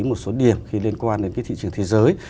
một số điểm khi liên quan đến cái thị trường thế giới